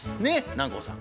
南光さん。